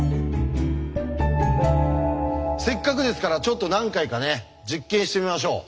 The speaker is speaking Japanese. せっかくですからちょっと何回かね実験してみましょう。